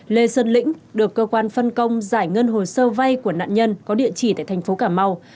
lê sơn lĩnh được cơ quan phân công giải ngân hồ sơ vay của nạn nhân có địa chỉ tại thành phố cà mau